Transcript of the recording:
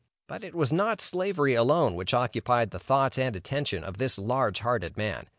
But it was not Slavery alone, which occupied the thoughts and attention of this large hearted man.